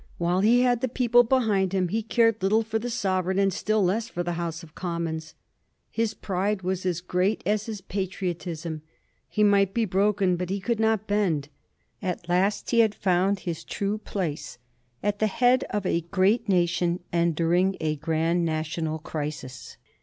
While he had the people behind him he cared little for the Sovereign, and still less for the House of Commons. His pride was as great as his patri otism; he might be broken, but he could not bend. At last he had found his true place — at the head of a great nation and during a grand national crisis.